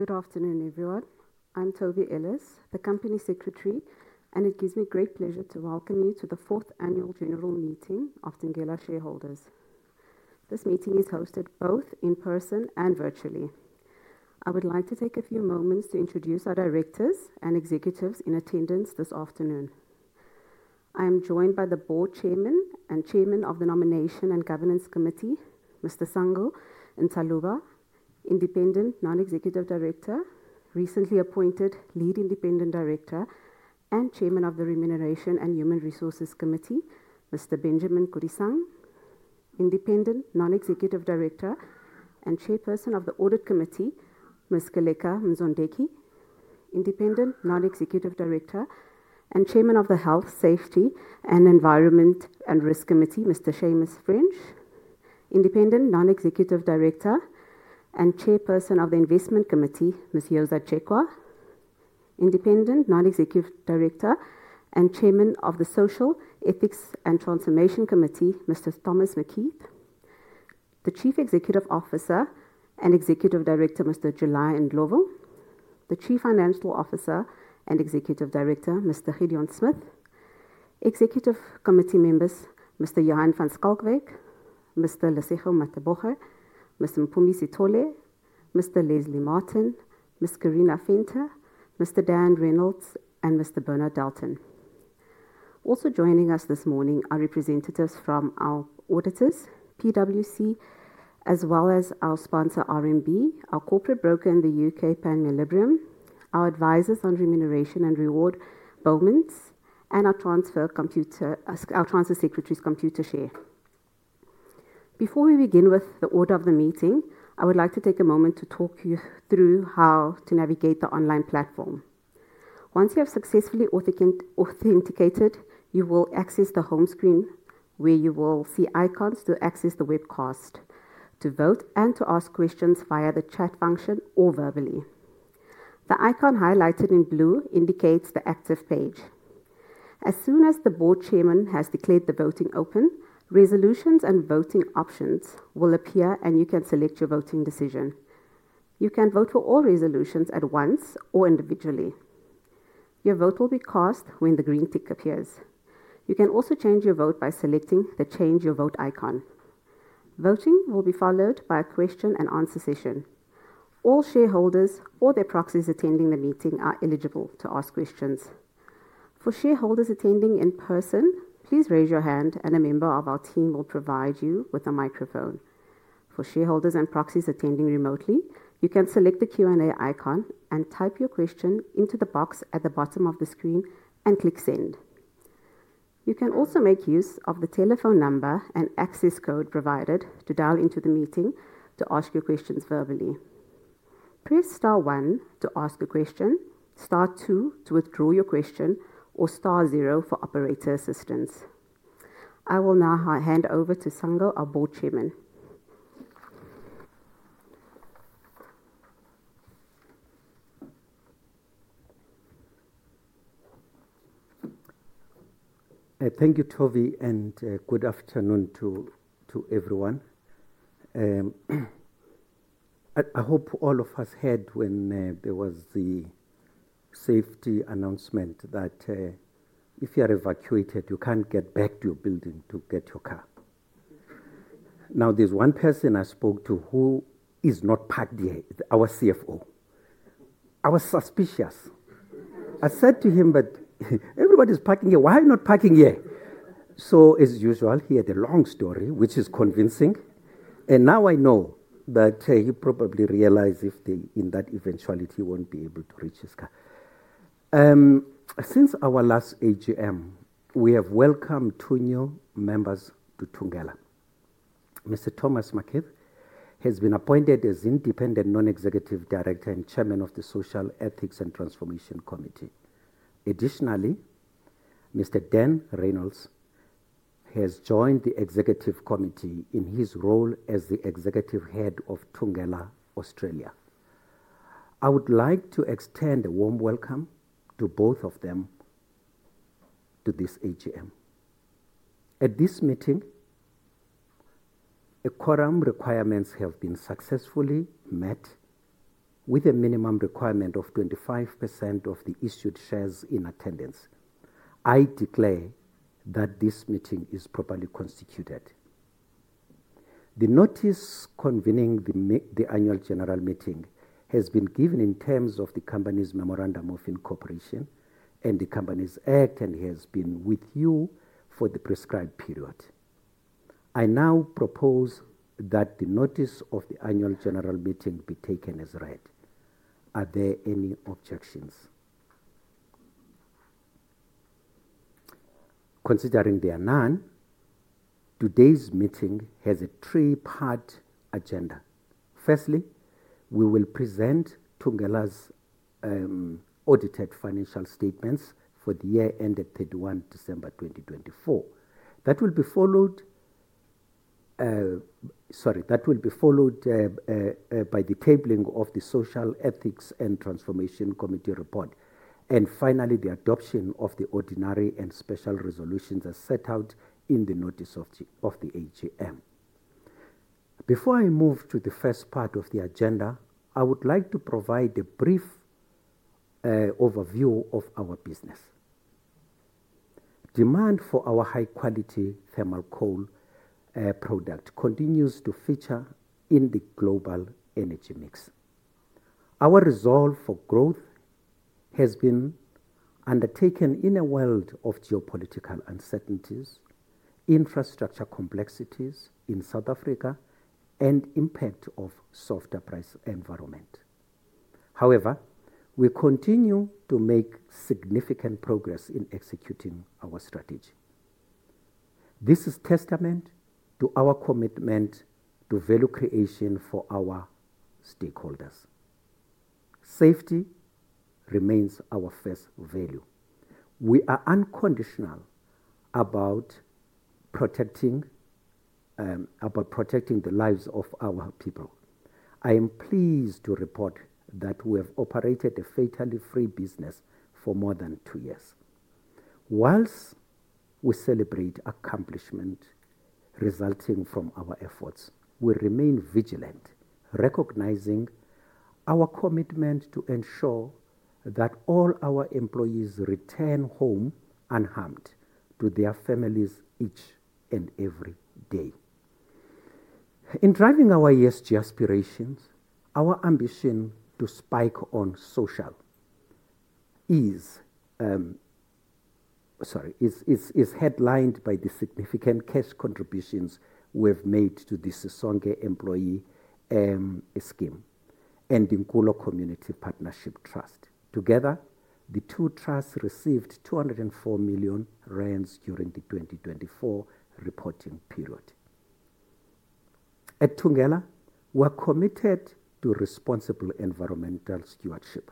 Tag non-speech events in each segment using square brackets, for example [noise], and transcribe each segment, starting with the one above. Good afternoon, everyone. I'm Toby Ellis, the Company Secretary, and it gives me great pleasure to welcome you to the fourth annual general meeting of Thungela shareholders. This meeting is hosted both in person and virtually. I would like to take a few moments to introduce our directors and executives in attendance this afternoon. I am joined by the Board Chairman and Chairman of the Nomination and Governance Committee, Mr. Sango Ntsaluba, Independent Non-Executive Director, recently appointed Lead Independent Director and Chairman of the Remuneration and Human Resources Committee, Mr. Benjamin Kgosana, Independent Non-Executive Director and Chairperson of the Audit Committee, Ms. Nonkqubela Jordan, Independent Non-Executive Director and Chairman of the Health, Safety and Environment and Risk Committee, Mr. Seamus French, Independent Non-Executive Director and Chairperson of the Investment Committee, Ms. Yodwa Gqada, Independent Non-Executive Director and Chairman of the Social Ethics and Transformation Committee, Mr. Thomas McKeith, the Chief Executive Officer and Executive Director, Mr. Julian Ndlovu, the Chief Financial Officer and Executive Director, Mr. Gideon Smith, Executive Committee members, Mr. Yohan van Schalkwyk, Mr. Lesehu Mateboge, Mr. Mpumi Sitole, Mr. Leslie Martin, Ms. Corina Fenter, Mr. Dan Reynolds, and Mr. Bernard Dalton. Also joining us this morning are representatives from our auditors, PwC, as well as our sponsor, RMB, our corporate broker in the U.K., Panmure Gordon, our advisors on remuneration and reward, Bowmans, and our transfer secretary, Computershare. Before we begin with the order of the meeting, I would like to take a moment to talk you through how to navigate the online platform. Once you have successfully authenticated, you will access the home screen, where you will see icons to access the webcast, to vote, and to ask questions via the chat function or verbally. The icon highlighted in blue indicates the active page. As soon as the Board Chairman has declared the voting open, resolutions and voting options will appear, and you can select your voting decision. You can vote for all resolutions at once or individually. Your vote will be cast when the green tick appears. You can also change your vote by selecting the Change Your Vote icon. Voting will be followed by a question and answer session. All shareholders or their proxies attending the meeting are eligible to ask questions. For shareholders attending in person, please raise your hand, and a member of our team will provide you with a microphone. For shareholders and proxies attending remotely, you can select the Q&A icon and type your question into the box at the bottom of the screen and click Send. You can also make use of the telephone number and access code provided to dial into the meeting to ask your questions verbally. Press star one to ask a question, star two to withdraw your question, or star zero for operator assistance. I will now hand over to Sango Ntsaluba, our Board Chairman. Thank you, Toby, and good afternoon to everyone. I hope all of us heard when there was the safety announcement that if you are evacuated, you can't get back to your building to get your car. Now, there's one person I spoke to who is not parked here, our CFO. I was suspicious. I said to him, "But everybody's parking here. Why are you not parking here?" As usual, he had a long story, which is convincing. Now I know that he probably realized if in that eventuality he won't be able to reach his car. Since our last AGM, we have welcomed two new members to Thungela. Mr. Thomas McKeith has been appointed as Independent Non-Executive Director and Chairman of the Social Ethics and Transformation Committee. Additionally, Mr. Dan Reynolds has joined the Executive Committee in his role as the Executive Head of Thungela, Australia. I would like to extend a warm welcome to both of them to this AGM. At this meeting, the quorum requirements have been successfully met with a minimum requirement of 25% of the issued shares in attendance. I declare that this meeting is properly constituted. The notice convening the annual general meeting has been given in terms of the Company's Memorandum of Incorporation and the Companies Act, and has been with you for the prescribed period. I now propose that the notice of the annual general meeting be taken as read. Are there any objections? Considering there are none, today's meeting has a three-part agenda. Firstly, we will present Thungela's audited financial statements for the year ended 31 December 2024. That will be followed by the tabling of the Social Ethics and Transformation Committee report. Finally, the adoption of the ordinary and special resolutions as set out in the notice of the AGM. Before I move to the first part of the agenda, I would like to provide a brief overview of our business. Demand for our high-quality thermal coal product continues to feature in the global energy mix. Our resolve for growth has been undertaken in a world of geopolitical uncertainties, infrastructure complexities in South Africa, and impact of softer price environment. However, we continue to make significant progress in executing our strategy. This is a testament to our commitment to value creation for our stakeholders. Safety remains our first value. We are unconditional about protecting the lives of our people. I am pleased to report that we have operated a fatally free business for more than two years. Whilst we celebrate accomplishment resulting from our efforts, we remain vigilant, recognizing our commitment to ensure that all our employees return home unharmed to their families each and every day. In driving our ESG aspirations, our ambition to spike on social is headlined by the significant cash contributions we have made to the Sisonge Employee Scheme and the Nkulo Community Partnership Trust. Together, the two trusts received 204 million rand during the 2024 reporting period. At Thungela, we are committed to responsible environmental stewardship.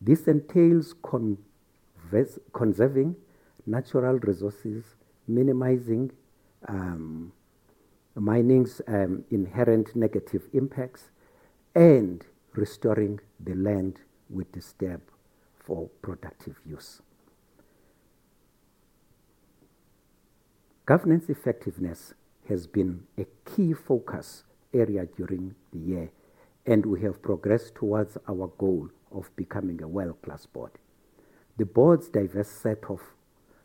This entails conserving natural resources, minimizing mining's inherent negative impacts, and restoring the land we disturb for productive use. Governance effectiveness has been a key focus area during the year, and we have progressed towards our goal of becoming a world-class board. The board's diverse set of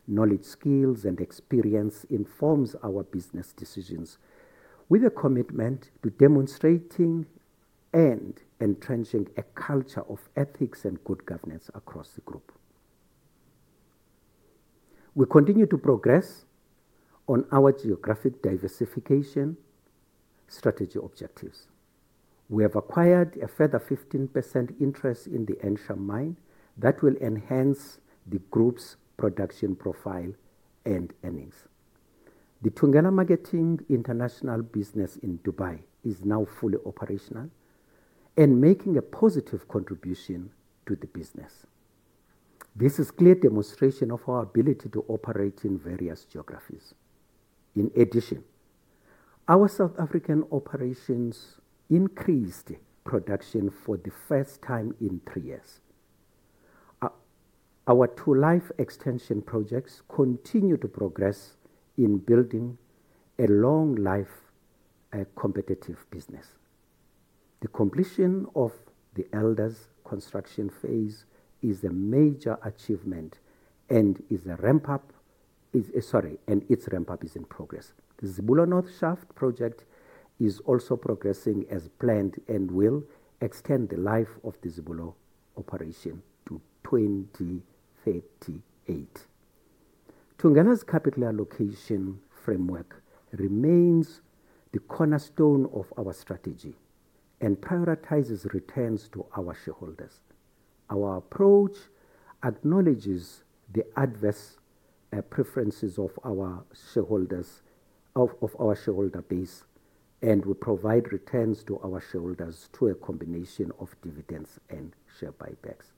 knowledge, skills, and experience informs our business decisions, with a commitment to demonstrating and entrenching a culture of ethics and good governance across the group. We continue to progress on our geographic diversification strategy objectives. We have acquired a further 15% interest in the Ensham mine that will enhance the group's production profile and earnings. The Thungela Marketing International business in Dubai is now fully operational and making a positive contribution to the business. This is a clear demonstration of our ability to operate in various geographies. In addition, our South African operations increased production for the first time in three years. Our two life extension projects continue to progress in building a long-life competitive business. The completion of the Elders construction phase is a major achievement and its ramp-up is in progress. The Zibulo North Shaft project is also progressing as planned and will extend the life of the Zibulo operation to 2038. Thungela's capital allocation framework remains the cornerstone of our strategy and prioritizes returns to our shareholders. Our approach acknowledges the adverse preferences of our shareholder base and will provide returns to our shareholders through a combination of dividends and share buybacks.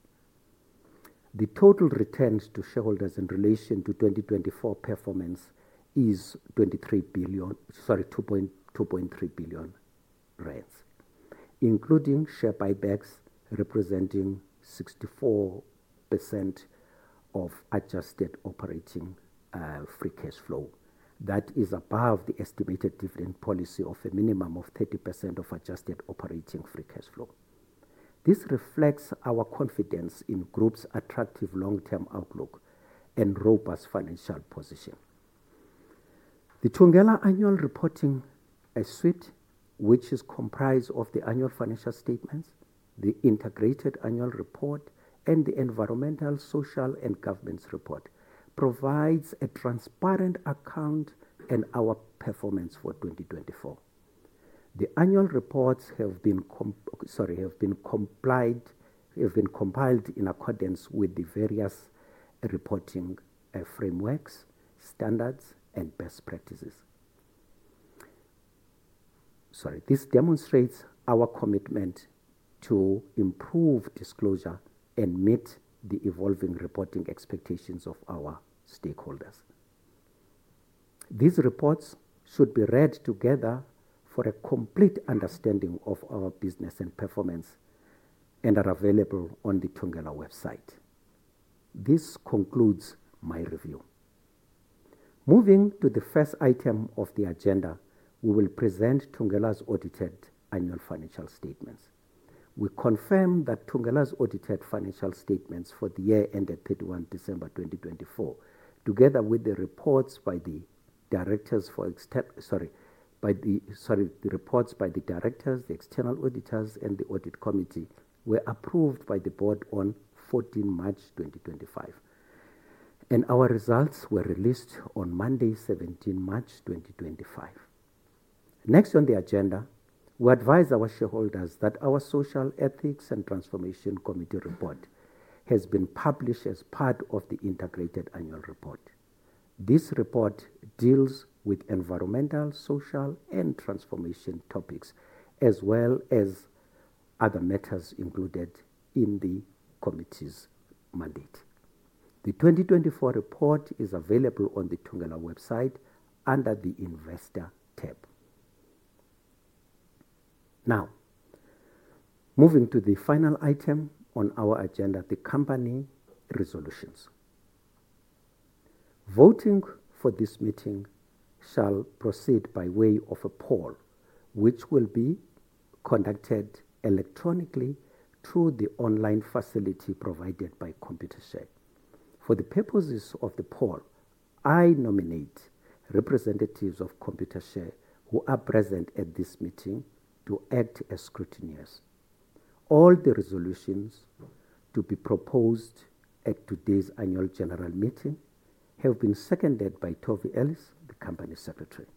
The total returns to shareholders in relation to 2024 performance is 23 billion, sorry, 2.3 billion rand, including share buybacks representing 64% of adjusted operating free cash flow. That is above the estimated dividend policy of a minimum of 30% of adjusted operating free cash flow. This reflects our confidence in the group's attractive long-term outlook and robust financial position. The Thungela Annual Reporting Suite, which is comprised of the annual financial statements, the integrated annual report, and the environmental, social, and governance report, provides a transparent account of our performance for 2024. The annual reports have been compiled in accordance with the various reporting frameworks, standards, and best practices. Sorry, this demonstrates our commitment to improve disclosure and meet the evolving reporting expectations of our stakeholders. These reports should be read together for a complete understanding of our business and performance and are available on the Thungela website. This concludes my review. Moving to the first item of the agenda, we will present Thungela's audited annual financial statements. We confirm that Thungela's audited financial statements for the year ended 31 December 2024, together with the reports by the directors, sorry, sorry, the reports by the directors, the external auditors, and the Audit Committee, were approved by the board on 14 March 2025. Our results were released on Monday, 17 March 2025. Next on the agenda, we advise our shareholders that our Social Ethics and Transformation Committee report has been published as part of the integrated annual report. This report deals with environmental, social, and transformation topics, as well as other matters included in the committee's mandate. The 2024 report is available on the Thungela website under the Investor tab. Now, moving to the final item on our agenda, the company resolutions. Voting for this meeting shall proceed by way of a poll, which will be conducted electronically through the online facility provided by Computershare. For the purposes of the poll, I nominate representatives of Computershare who are present at this meeting to act as scrutineers. All the resolutions to be proposed at today's Annual General Meeting have been seconded by Toby Ellis, the Company Secretary.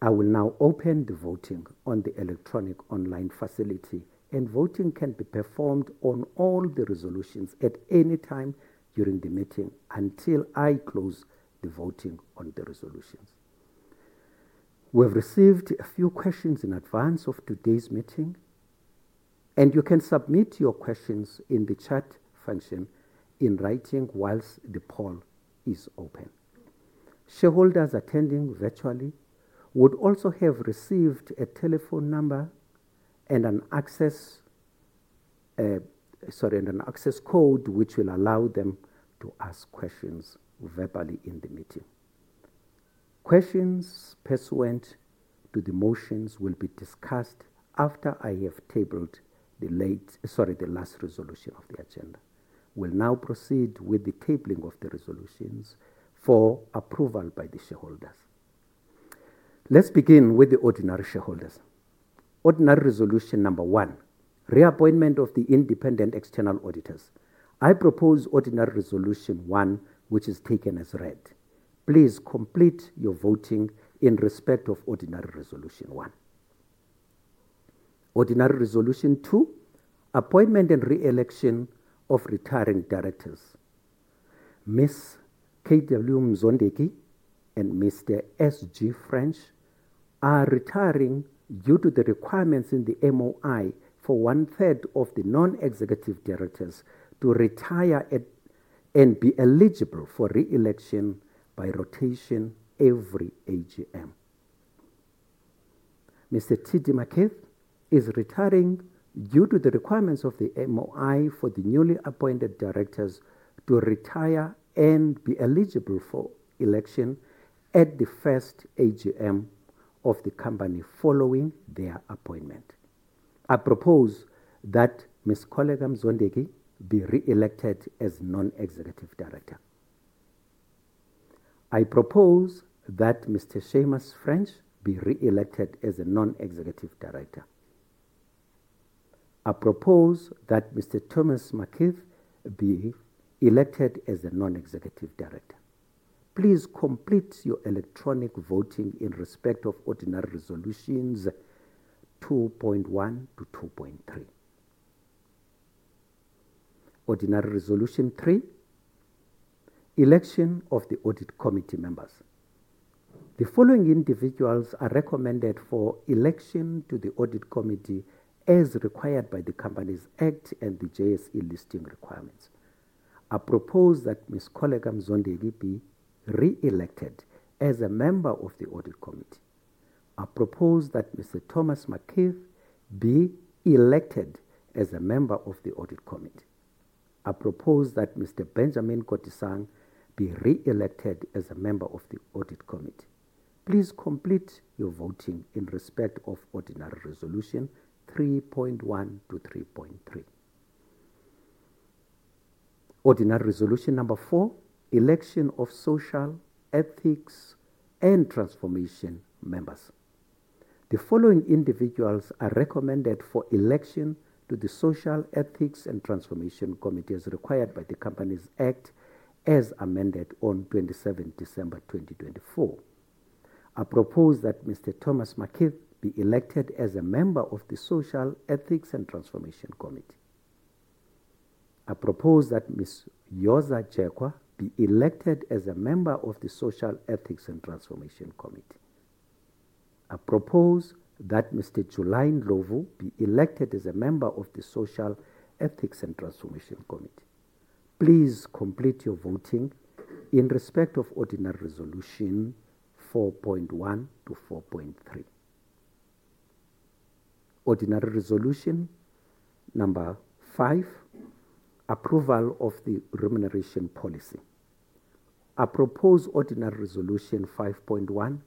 I will now open the voting on the electronic online facility, and voting can be performed on all the resolutions at any time during the meeting until I close the voting on the resolutions. We have received a few questions in advance of today's meeting, and you can submit your questions in the chat function in writing whilst the poll is open. Shareholders attending virtually would also have received a telephone number and an access, sorry, and an access code which will allow them to ask questions verbally in the meeting. Questions pursuant to the motions will be discussed after I have tabled the late, sorry, the last resolution of the agenda. We'll now proceed with the tabling of the resolutions for approval by the shareholders. Let's begin with the ordinary shareholders. Ordinary Resolution Number One, reappointment of the independent external auditors. I propose Ordinary Resolution One, which is taken as read. Please complete your voting in respect of Ordinary Resolution One. Ordinary Resolution Two, appointment and re-election of retiring directors. Ms. K. W. Mzondegui and Mr. S. G. French are retiring due to the requirements in the MOI for one-third of the non-executive directors to retire and be eligible for re-election by rotation every AGM. Mr. T. D. McKeith is retiring due to the requirements of the MOI for the newly appointed directors to retire and be eligible for election at the first AGM of the company following their appointment. I propose that Ms. Koleka Mzondeki be re-elected as non-executive director. I propose that Mr. Seamus French be re-elected as a non-executive director. I propose that Mr. Thomas McKeith be elected as a non-executive director. Please complete your electronic voting in respect of Ordinary Resolutions 2.1 to 2.3. Ordinary Resolution Three, election of the Audit Committee members. The following individuals are recommended for election to the Audit Committee as required by the Companies Act and the JSE listing requirements. I propose that Ms. Koleka Mzondeki be re-elected as a member of the Audit Committee. I propose that Mr. Thomas McKeith be elected as a member of the Audit Committee. I propose that Mr. Benjamin Kgosana be re-elected as a member of the Audit Committee. Please complete your voting in respect of Ordinary Resolution 3.1 to 3.3. Ordinary Resolution Number Four, election of Social Ethics and Transformation members. The following individuals are recommended for election to the Social Ethics and Transformation Committee as required by the Companies Act as amended on 27 December 2024. I propose that Mr. Thomas McKeith be elected as a member of the Social Ethics and Transformation Committee. I propose that Ms. Yodwa Gqada be elected as a member of the Social Ethics and Transformation Committee. I propose that Mr. July Ndlovu be elected as a member of the Social Ethics and Transformation Committee. Please complete your voting in respect of Ordinary Resolution 4.1 to 4.3. Ordinary Resolution Number Five, approval of the remuneration policy. I propose Ordinary Resolution 5.1,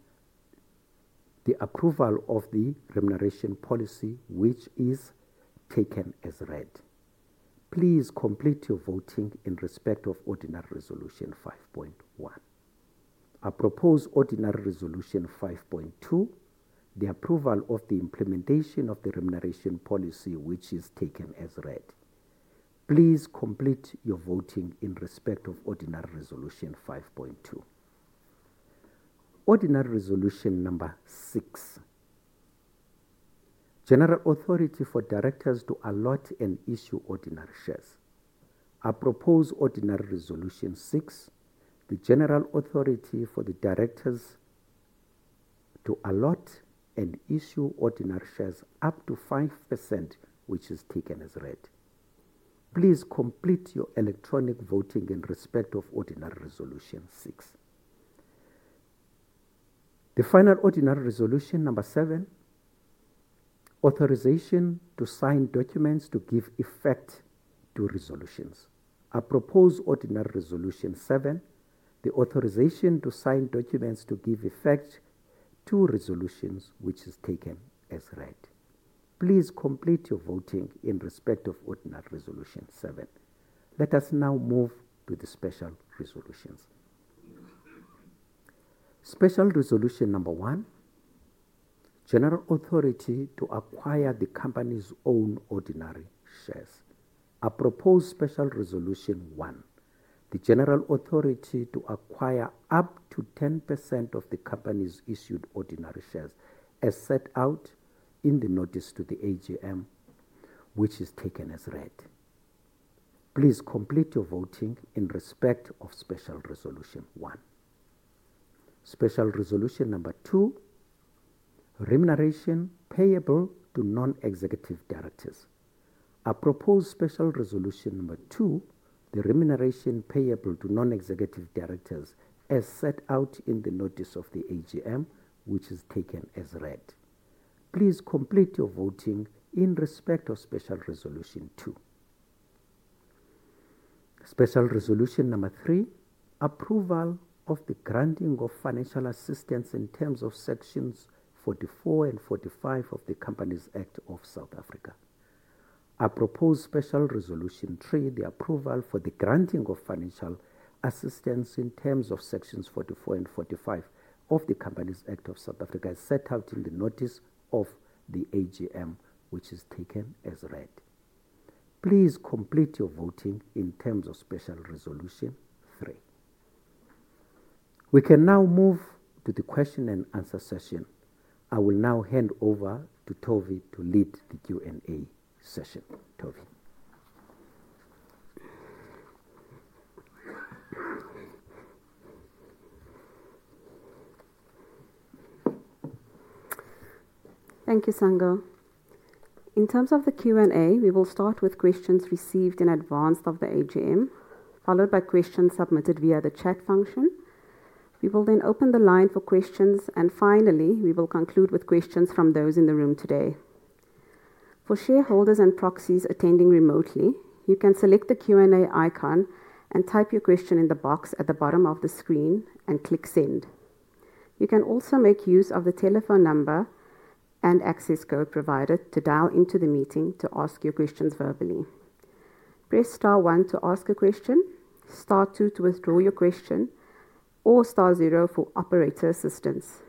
the approval of the remuneration policy, which is taken as read. Please complete your voting in respect of Ordinary Resolution 5.1. I propose Ordinary Resolution 5.2, the approval of the implementation of the remuneration policy, which is taken as read. Please complete your voting in respect of Ordinary Resolution 5.2. Ordinary Resolution Number 6, general authority for directors to allot and issue ordinary shares. I propose Ordinary Resolution 6, the general authority for the directors to allot and issue ordinary shares up to 5%, which is taken as read. Please complete your electronic voting in respect of Ordinary Resolution 6. The final Ordinary Resolution Number 7, authorization to sign documents to give effect to resolutions. I propose Ordinary Resolution 7, the authorization to sign documents to give effect to resolutions, which is taken as read. Please complete your voting in respect of Ordinary Resolution 7. Let us now move to the special resolutions. Special Resolution Number 1, general authority to acquire the company's own ordinary shares. I propose Special Resolution One, the general authority to acquire up to 10% of the company's issued ordinary shares as set out in the notice to the AGM, which is taken as read. Please complete your voting in respect of Special Resolution One. Special Resolution Number Two, remuneration payable to non-executive directors. I propose Special Resolution Number Two, the remuneration payable to non-executive directors as set out in the notice of the AGM, which is taken as read. Please complete your voting in respect of Special Resolution Two. Special Resolution Number Three, approval of the granting of financial assistance in terms of Sections 44 and 45 of the Companies Act of South Africa. I propose Special Resolution Three, the approval for the granting of financial assistance in terms of Sections 44 and 45 of the Companies Act of South Africa as set out in the notice of the AGM, which is taken as read. Please complete your voting in terms of Special Resolution Three. We can now move to the question and answer session. I will now hand over to Toby to lead the Q&A session. Toby. Thank you, Sango. In terms of the Q&A, we will start with questions received in advance of the AGM, followed by questions submitted via the chat function. We will then open the line for questions, and finally, we will conclude with questions from those in the room today. For shareholders and proxies attending remotely, you can select the Q&A icon and type your question in the box at the bottom of the screen and click Send. You can also make use of the telephone number and access code provided to dial into the meeting to ask your questions verbally. Press star one to ask a question, star two to withdraw your question, or star zero for operator assistance.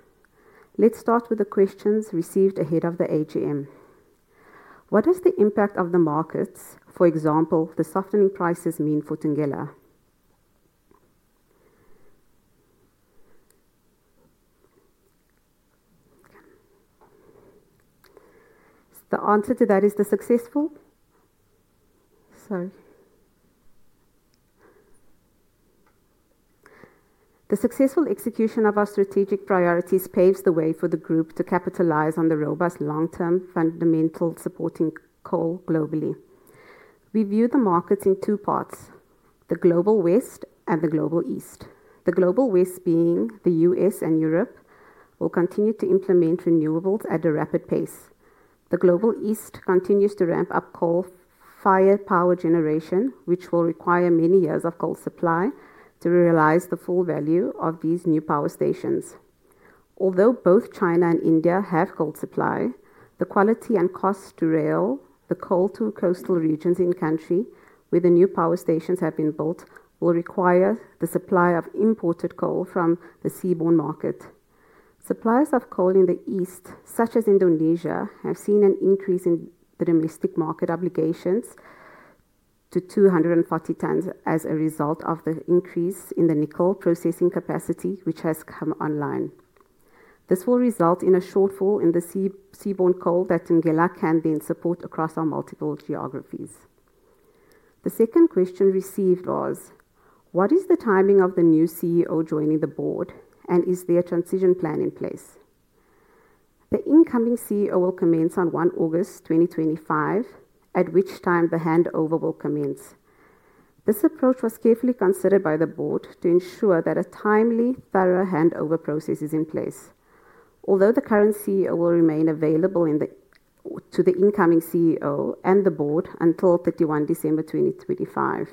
Let's start with the questions received ahead of the AGM. What is the impact of the markets, for example, the softening prices mean for Thungela? The answer to that is the successful, sorry. The successful execution of our strategic priorities paves the way for the group to capitalize on the robust long-term fundamental supporting coal globally. We view the markets in two parts, the Global West and the Global East. The Global West being the U.S. and Europe will continue to implement renewables at a rapid pace. The Global East continues to ramp up coal-fired power generation, which will require many years of coal supply to realize the full value of these new power stations. Although both China and India have coal supply, the quality and cost to rail the coal to coastal regions in country where the new power stations have been built will require the supply of imported coal from the seaborne market. Suppliers of coal in the East, such as Indonesia, have seen an increase in the domestic market obligations to 240 tons as a result of the increase in the nickel processing capacity, which has come online. This will result in a shortfall in the seaborne coal that Thungela can then support across our multiple geographies. The second question received was, what is the timing of the new CEO joining the board, and is there a transition plan in place? The incoming CEO will commence on 1 August 2025, at which time the handover will commence. This approach was carefully considered by the board to ensure that a timely, thorough handover process is in place, although the current CEO will remain available to the incoming CEO and the board until 31 December 2025.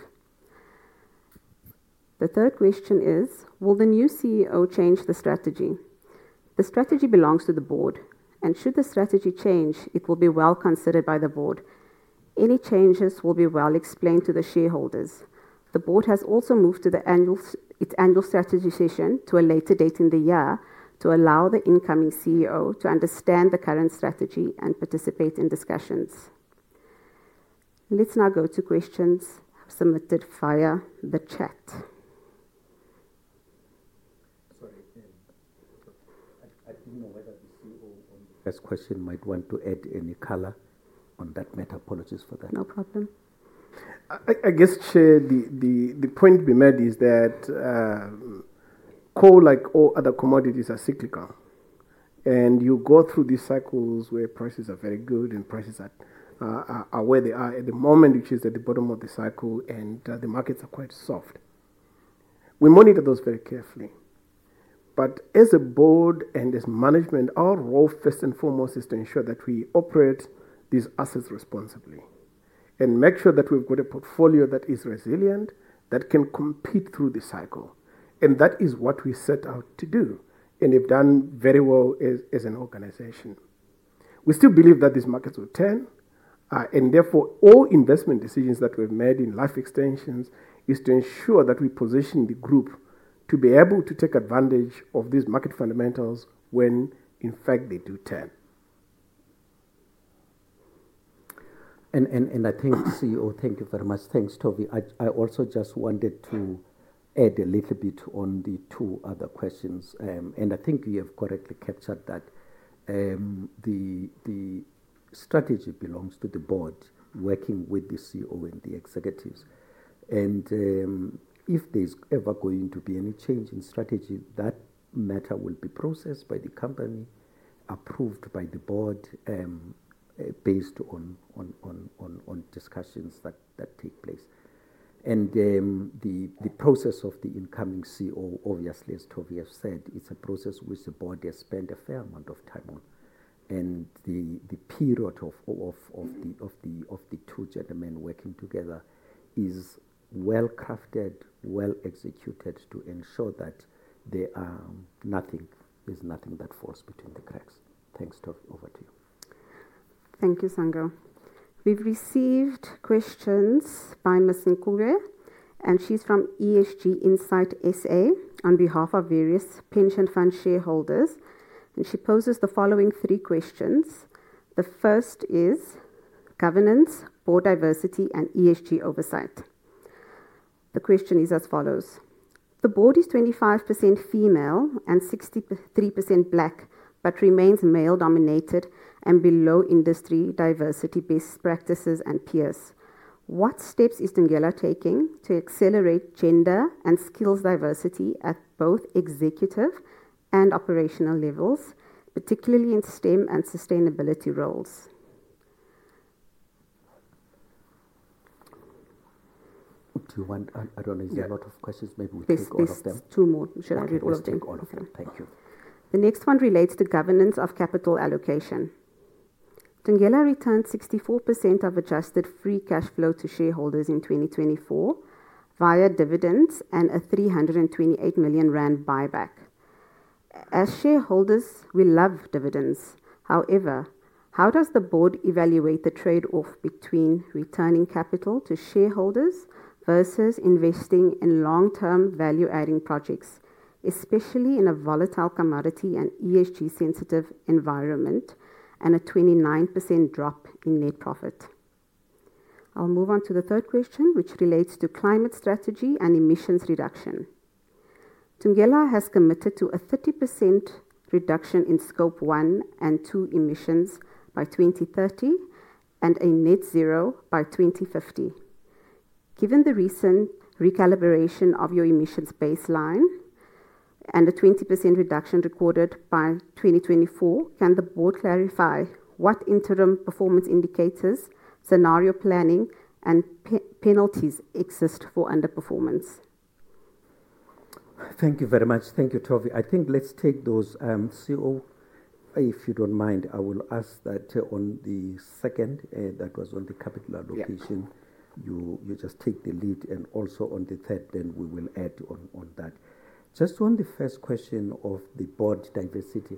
The third question is, will the new CEO change the strategy? The strategy belongs to the board, and should the strategy change, it will be well considered by the board. Any changes will be well explained to the shareholders. The board has also moved its annual strategy session to a later date in the year to allow the incoming CEO to understand the current strategy and participate in discussions. Let's now go to questions submitted via the chat. Sorry, I didn't know whether the CEO on the first question might want to add any color on that, metaphologies for that. No problem. I guess, Chair, the point being made is that coal, like all other commodities, are cyclical, and you go through these cycles where prices are very good and prices are where they are at the moment, which is at the bottom of the cycle, and the markets are quite soft. We monitor those very carefully. As a board and as management, our role first and foremost is to ensure that we operate these assets responsibly and make sure that we've got a portfolio that is resilient, that can compete through the cycle. That is what we set out to do and have done very well as an organization. We still believe that these markets will turn, and therefore all investment decisions that we've made in life extensions is to ensure that we position the group to be able to take advantage of these market fundamentals when, in fact, they do turn. I think, CEO, thank you very much. Thanks, Toby. I also just wanted to add a little bit on the two other questions, and I think you have correctly captured that. The strategy belongs to the board working with the CEO and the executives. If there's ever going to be any change in strategy, that matter will be processed by the company, approved by the board based on discussions that take place. The process of the incoming CEO, obviously, as Toby has said, it's a process which the board has spent a fair amount of time on. The period of the two gentlemen working together is well crafted, well executed to ensure that there is nothing that falls between the cracks. Thanks, Toby. Over to you. Thank you, Sango. We've received questions by Ms. Nkugwe, and she's from ESG Insight SA on behalf of various pension fund shareholders. She poses the following three questions. The first is governance, board diversity, and ESG oversight. The question is as follows. The board is 25% female and 63% Black, but remains male-dominated and below industry diversity best practices and peers. What steps is Thungela taking to accelerate gender and skills diversity at both executive and operational levels, particularly in STEM and sustainability roles? [crosstalk] Up to one. I don't know. Is there a lot of questions? Maybe we take one of them. There's two more. Should I read all of them? All of them. Thank you. The next one relates to governance of capital allocation. Thungela returned 64% of adjusted free cash flow to shareholders in 2024 via dividends and a 328 million rand buyback. As shareholders, we love dividends. However, how does the board evaluate the trade-off between returning capital to shareholders versus investing in long-term value-adding projects, especially in a volatile commodity and ESG-sensitive environment, and a 29% drop in net profit? I'll move on to the third question, which relates to climate strategy and emissions reduction. Thungela has committed to a 30% reduction in Scope 1 and 2 emissions by 2030 and a net zero by 2050. Given the recent recalibration of your emissions baseline and the 20% reduction recorded by 2024, can the board clarify what interim performance indicators, scenario planning, and penalties exist for underperformance? Thank you very much. Thank you, Toby. I think let's take those. CEO, if you don't mind, I will ask that on the second, that was on the capital allocation. You just take the lead, and also on the third, then we will add on that. Just on the first question of the board diversity,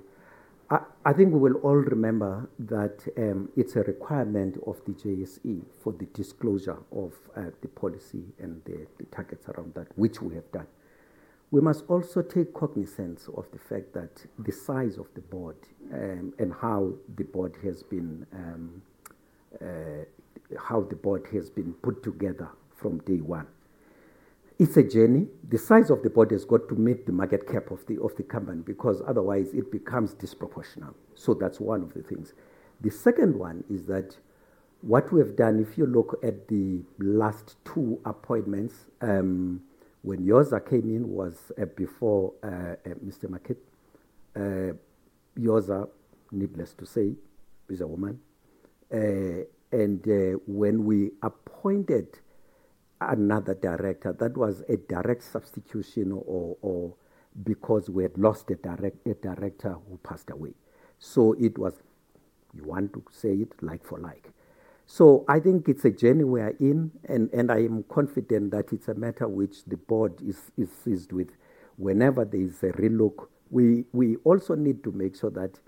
I think we will all remember that it's a requirement of the JSE for the disclosure of the policy and the targets around that, which we have done. We must also take cognizance of the fact that the size of the board and how the board has been put together from day one. It's a journey. The size of the board has got to meet the market cap of the company because otherwise it becomes disproportional. That's one of the things. The second one is that what we have done, if you look at the last two appointments, when Yodwa came in was before Mr. McKeith. Yodwa, needless to say, is a woman. And when we appointed another director, that was a direct substitution because we had lost a director who passed away. So it was, you want to say it, like for like. So I think it's a journey we are in, and I am confident that it's a matter which the board is seized with. Whenever there is a relook, we also need to make sure that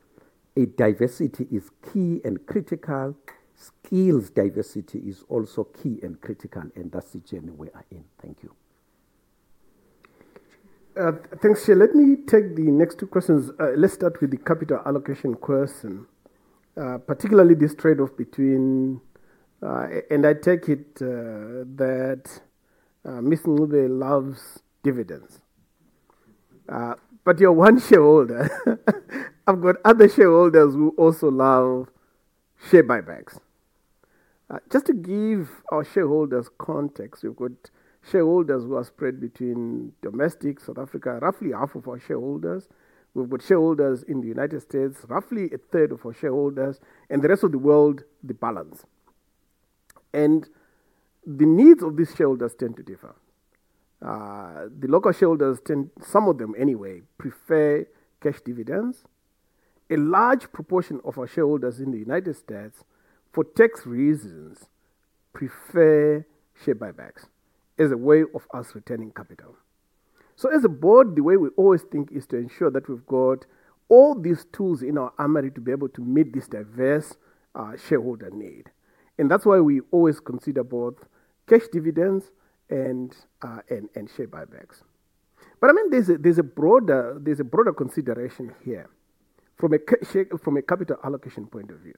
diversity is key and critical. Skills diversity is also key and critical, and that's the journey we are in. Thank you. Thanks, Chair. Let me take the next two questions listed with the capital allocation question, particularly this trade-off between, and I take it that Ms. Nkugwe loves dividends. You're one shareholder. I've got other shareholders who also love share buybacks. Just to give our shareholders context, we've got shareholders who are spread between domestic, South Africa, roughly half of our shareholders. We've got shareholders in the United States, roughly a third of our shareholders, and the rest of the world, the balance. The needs of these shareholders tend to differ. The local shareholders, some of them anyway, prefer cash dividends. A large proportion of our shareholders in the United States, for tax reasons, prefer share buybacks as a way of us returning capital. As a board, the way we always think is to ensure that we've got all these tools in our armory to be able to meet this diverse shareholder need. That's why we always consider both cash dividends and share buybacks. I mean, there's a broader consideration here from a capital allocation point of view.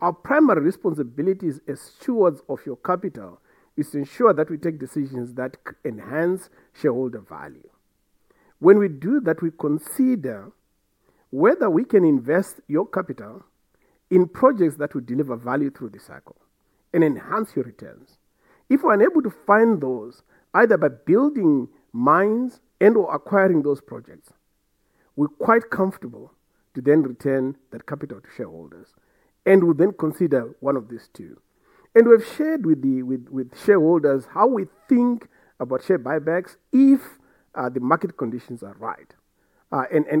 Our primary responsibilities as stewards of your capital is to ensure that we take decisions that enhance shareholder value. When we do that, we consider whether we can invest your capital in projects that will deliver value through the cycle and enhance your returns. If we're unable to find those, either by building mines and/or acquiring those projects, we're quite comfortable to then return that capital to shareholders. We'll then consider one of these two. We've shared with shareholders how we think about share buybacks if the market conditions are right.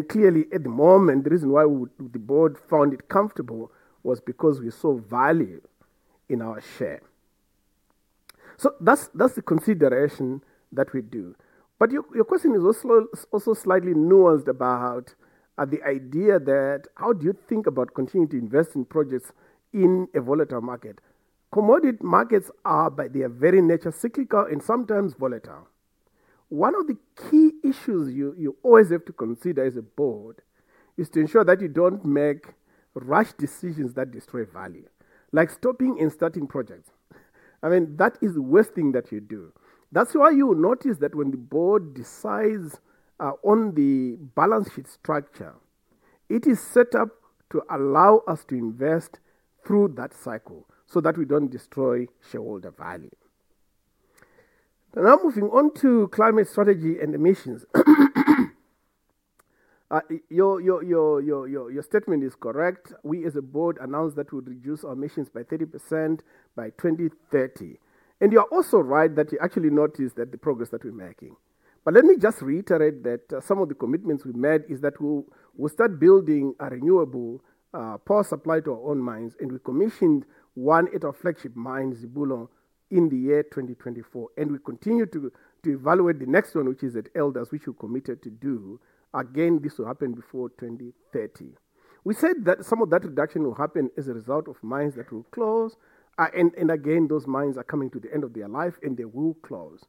Clearly, at the moment, the reason why the board found it comfortable was because we saw value in our share. That's the consideration that we do. Your question is also slightly nuanced about the idea that how do you think about continuing to invest in projects in a volatile market? Commodity markets are, by their very nature, cyclical and sometimes volatile. One of the key issues you always have to consider as a board is to ensure that you do not make rash decisions that destroy value, like stopping and starting projects. I mean, that is the worst thing that you do. That is why you will notice that when the board decides on the balance sheet structure, it is set up to allow us to invest through that cycle so that we do not destroy shareholder value. Now moving on to climate strategy and emissions. Your statement is correct. We, as a board, announced that we would reduce our emissions by 30% by 2030. You are also right that you actually noticed the progress that we're making. Let me just reiterate that some of the commitments we made are that we'll start building a renewable power supply to our own mines, and we commissioned one at our flagship mine, Zibulo, in the year 2024. We continue to evaluate the next one, which is at Elders, which we committed to do. This will happen before 2030. We said that some of that reduction will happen as a result of mines that will close. Those mines are coming to the end of their life, and they will close.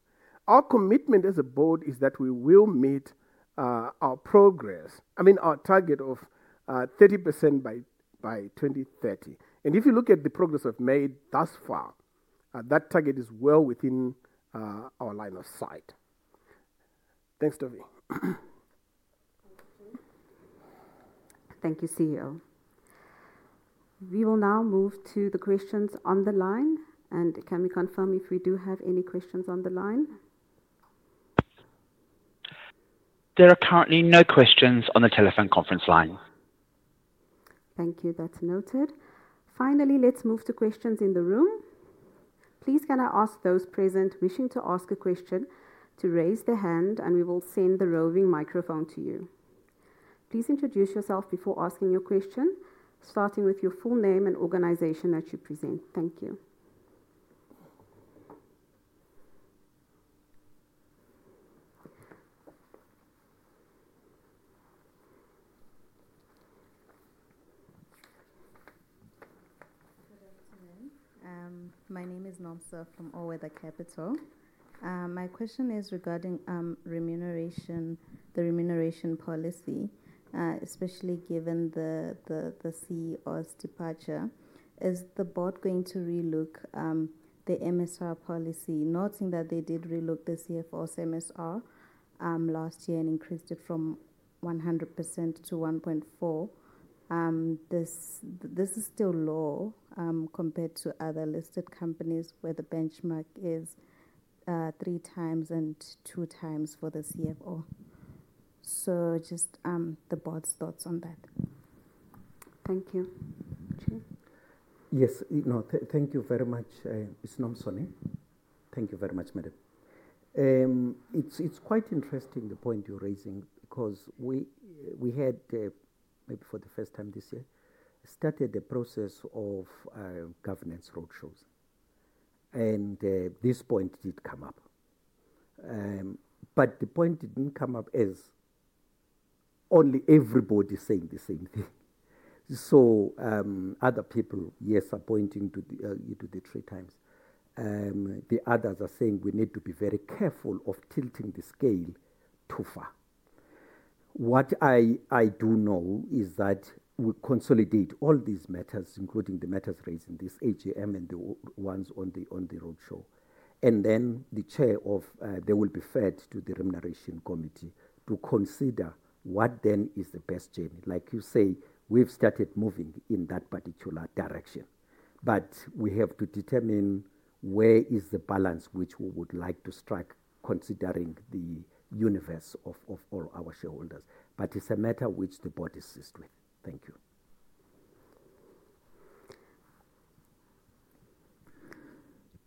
Our commitment as a board is that we will meet our target of 30% by 2030. If you look at the progress we've made thus far, that target is well within our line of sight. Thanks, Toby. Thank you, CEO. We will now move to the questions on the line. Can we confirm if we do have any questions on the line? There are currently no questions on the telephone conference line. Thank you. That is noted. Finally, let's move to questions in the room. Please, can I ask those present wishing to ask a question to raise their hand, and we will send the roving microphone to you. Please introduce yourself before asking your question, starting with your full name and organization that you represent. Thank you. Good afternoon. My name is Nomsa from All Weather Capital. My question is regarding the remuneration policy, especially given the CEO's departure. Is the board going to relook the MSR policy, noting that they did relook the CFO's MSR last year and increased it from 100% to 1.4? This is still low compared to other listed companies where the benchmark is three times and two times for the CFO. Just the board's thoughts on that. Thank you. Chair? Yes. No, thank you very much. It's Nomsa. Thank you very much, Madam. It's quite interesting the point you're raising because we had, maybe for the first time this year, started the process of governance roadshows. This point did come up. The point did not come up as only everybody saying the same thing. Other people, yes, are pointing to the three times. Others are saying we need to be very careful of tilting the scale too far. What I do know is that we consolidate all these matters, including the matters raised in this AGM and the ones on the roadshow. Then the chair of there will be fed to the remuneration committee to consider what then is the best journey. Like you say, we've started moving in that particular direction. We have to determine where is the balance which we would like to strike considering the universe of all our shareholders. It is a matter which the board is seized with. Thank you.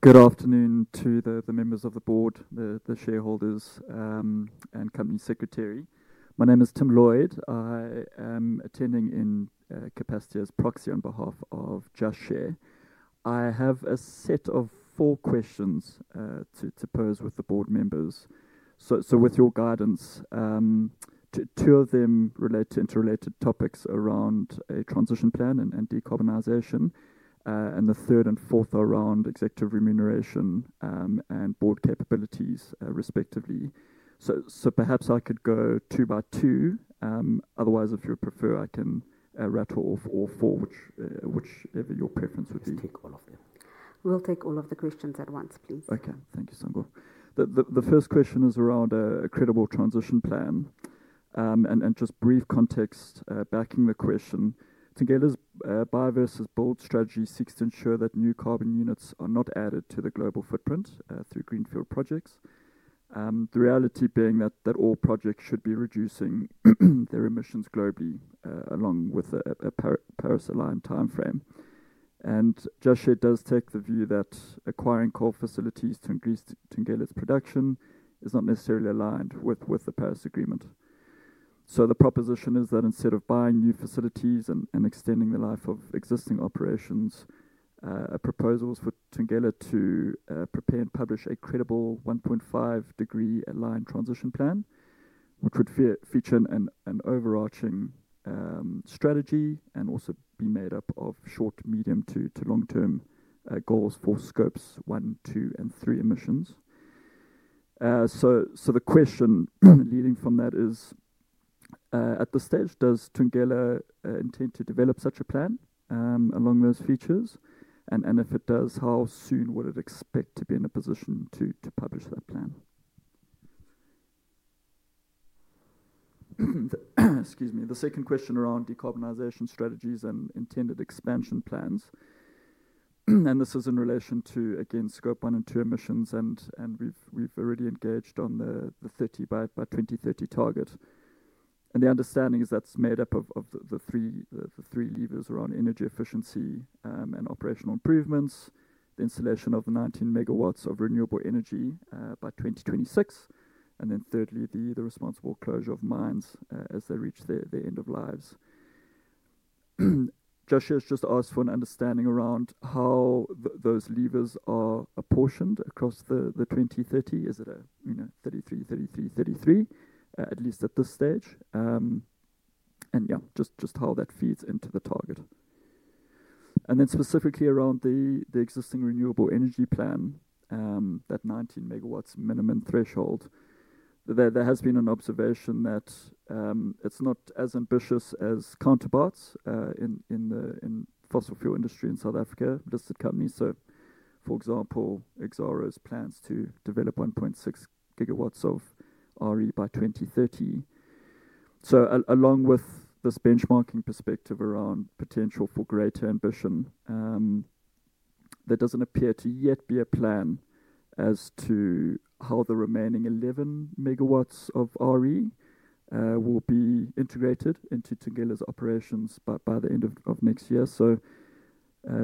Good afternoon to the members of the board, the shareholders, and company secretary. My name is Tim Lloyd. I am attending in capacity as proxy on behalf of Just Share. I have a set of four questions to pose with the board members. With your guidance, two of them relate to interrelated topics around a transition plan and decarbonization, and the third and fourth are around executive remuneration and board capabilities, respectively. Perhaps I could go two by two. Otherwise, if you prefer, I can rattle off all four, whichever your preference would be. Just take all of them. We'll take all of the questions at once, please. Okay. Thank you, Sango. The first question is around a credible transition plan. And just brief context backing the question. Thungela's bioversus bold strategy seeks to ensure that new carbon units are not added to the global footprint through greenfield projects. The reality being that all projects should be reducing their emissions globally along with a Paris-aligned timeframe. Just Share does take the view that acquiring coal facilities to increase Thungela's production is not necessarily aligned with the Paris Agreement. The proposition is that instead of buying new facilities and extending the life of existing operations, a proposal is for Thungela to prepare and publish a credible 1.5-degree aligned transition plan, which would feature an overarching strategy and also be made up of short, medium to long-term goals for scopes one, two, and three emissions. The question leading from that is, at this stage, does Thungela intend to develop such a plan along those features? If it does, how soon would it expect to be in a position to publish that plan? Excuse me. The second question is around decarbonization strategies and intended expansion plans. This is in relation to, again, scope one and two emissions, and we've already engaged on the 30% by 2030 target. The understanding is that's made up of the three levers around energy efficiency and operational improvements, the installation of 19 MW of renewable energy by 2026, and then thirdly, the responsible closure of mines as they reach their end of lives. Just Share has just asked for an understanding around how those levers are apportioned across the 2030. Is it a 33, 33, 33, at least at this stage? Yeah, just how that feeds into the target. Then specifically around the existing renewable energy plan, that 19 MW minimum threshold, there has been an observation that it's not as ambitious as counterparts in the fossil fuel industry in South Africa, listed companies. For example, Exxaro's plans to develop 1.6 gigawatts of RE by 2030. Along with this benchmarking perspective around potential for greater ambition, there does not appear to yet be a plan as to how the remaining 11 MW of RE will be integrated into Thungela's operations by the end of next year.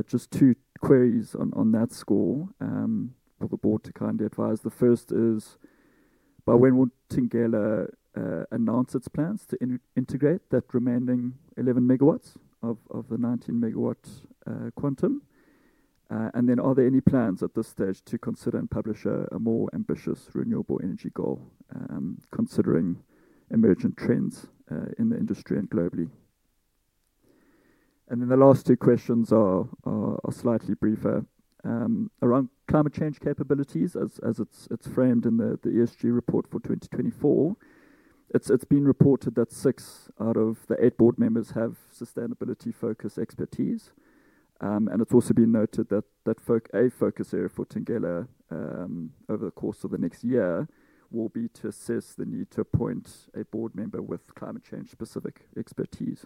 Just two queries on that score for the board to kindly advise. The first is, by when will Thungela announce its plans to integrate that remaining 11 MW of the 19 MW quantum? Are there any plans at this stage to consider and publish a more ambitious renewable energy goal, considering emergent trends in the industry and globally? The last two questions are slightly briefer. Around climate change capabilities, as it is framed in the ESG report for 2024, it has been reported that six out of the eight board members have sustainability-focused expertise. It is also been noted that a focus area for Thungela over the course of the next year will be to assess the need to appoint a board member with climate change-specific expertise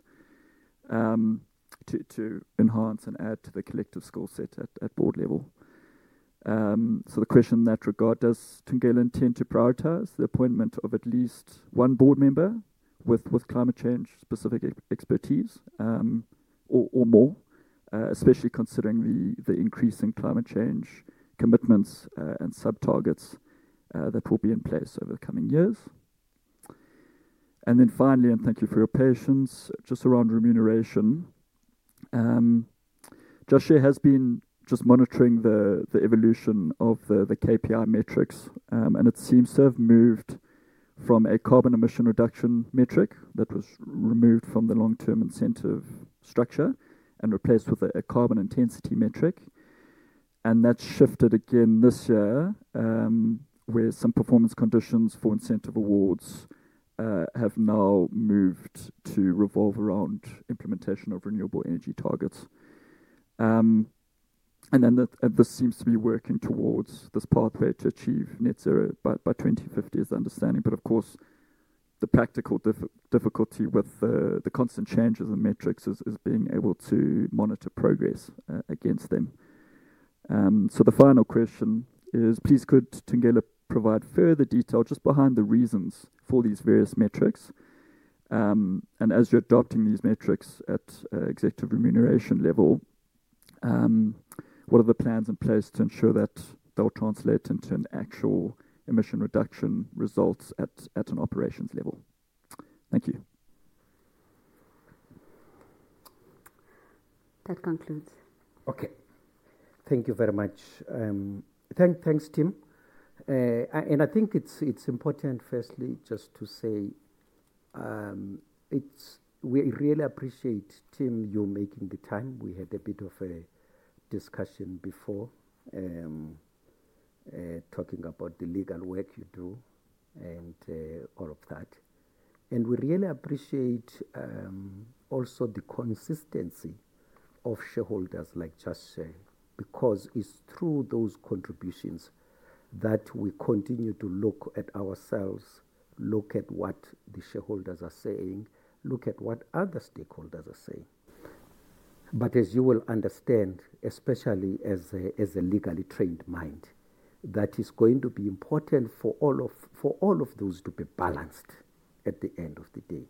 to enhance and add to the collective skill set at board level. The question in that regard, does Thungela intend to prioritize the appointment of at least one board member with climate change-specific expertise or more, especially considering the increasing climate change commitments and sub-targets that will be in place over the coming years? Finally, and thank you for your patience, just around remuneration. Just Share has been just monitoring the evolution of the KPI metrics, and it seems to have moved from a carbon emission reduction metric that was removed from the long-term incentive structure and replaced with a carbon intensity metric. That has shifted again this year, where some performance conditions for incentive awards have now moved to revolve around implementation of renewable energy targets. This seems to be working towards this pathway to achieve net zero by 2050, is the understanding. Of course, the practical difficulty with the constant changes in metrics is being able to monitor progress against them. The final question is, please, could Thungela provide further detail just behind the reasons for these various metrics? As you are adopting these metrics at executive remuneration level, what are the plans in place to ensure that they will translate into actual emission reduction results at an operations level? Thank you. That concludes. Okay. Thank you very much. Thanks, Tim. I think it is important, firstly, just to say we really appreciate, Tim, you making the time. We had a bit of a discussion before talking about the legal work you do and all of that. We really appreciate also the consistency of shareholders like Just Share because it is through those contributions that we continue to look at ourselves, look at what the shareholders are saying, look at what other stakeholders are saying. As you will understand, especially as a legally trained mind, that is going to be important for all of those to be balanced at the end of the day.